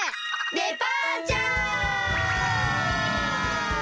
デパーチャー！